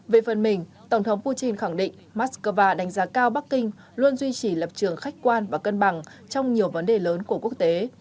về phần mình tổng thống putin khẳng định moscow đánh giá cao bắc kinh luôn duy trì lập trường khách quan và cân bằng trong nhiều vấn đề lớn của quốc tế